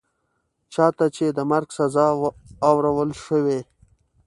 چا ته چي د مرګ سزا اورول شوې